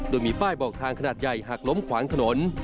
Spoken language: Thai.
โดยมีป้ายบอกทางขนาดใหญ่หักล้มขวางถนน